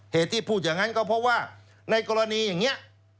เหตุที่พูดอย่างนั้นก็เพราะว่าในกรณีอย่างนี้